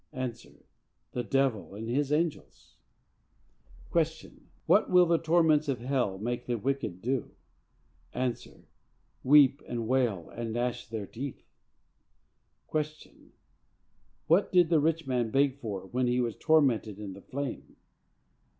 —A. The devil and his angels. Q. What will the torments of hell make the wicked do?—A. Weep and wail and gnash their teeth. Q. What did the rich man beg for when he was tormented in the flame?